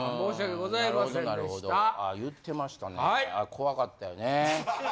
怖かったよね。